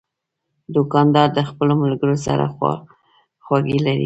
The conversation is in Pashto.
دوکاندار د خپلو ملګرو سره خواخوږي لري.